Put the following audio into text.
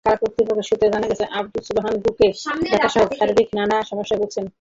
কারা কর্তৃপক্ষ সূত্রে জানা গেছে, আবদুস সুবহান বুকে ব্যথাসহ শারীরিক নানা সমস্যায় ভুগছেন।